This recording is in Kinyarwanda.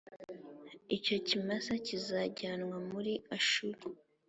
Icyo kimasa kizajyanwa muri Ashuru,